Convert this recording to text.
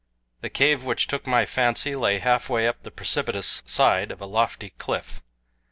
The cave which took my fancy lay halfway up the precipitous side of a lofty cliff.